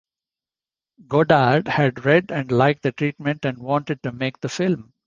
Godard had read and liked the treatment and wanted to make the film.